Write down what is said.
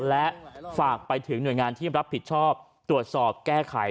และฝากไปถึงหน่วยงานที่รับผิดชอบตรวจสอบแก้ไข